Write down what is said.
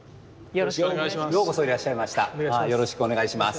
よろしくお願いします。